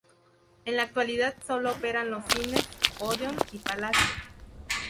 En la actualidad solo operan los cines "Odeon" y "Palacio".